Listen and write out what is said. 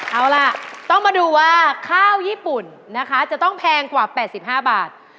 เอาล่ะต้องมาดูว่าข้าวญี่ปุ่นนะคะจะต้องแพงกว่า๘๕บาท